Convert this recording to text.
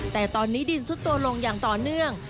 แต่ตอนนี้ดินซุดตัวลงอย่างต่อเนื่อง